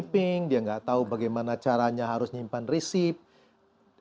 mereka tidak tahu bagaimana caranya harus menyimpan resipi